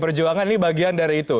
perjuangan ini bagian dari itu